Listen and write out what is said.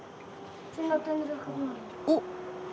おっ！